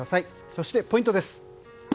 そして、ポイントです。